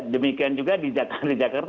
demikian juga di jakarta juga kan ikut polda